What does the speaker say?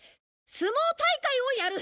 相撲大会をやる。